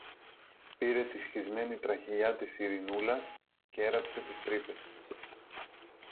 πήρε τη σχισμένη τραχηλιά της Ειρηνούλας κι έραψε τις τρύπες.